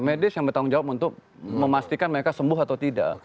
medis yang bertanggung jawab untuk memastikan mereka sembuh atau tidak